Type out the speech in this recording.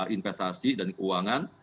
investasi dan keuangan